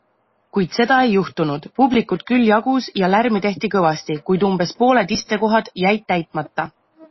Kuid seda ei juhtunud. Publikut küll jagus ja lärmi tehti kõvasti, kuid umbes pooled istekohad jäid täitmata.